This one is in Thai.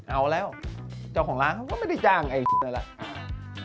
เอาแล้วเจ้าของร้านก็ไม่ได้จ้างแบบนั้นแล้ว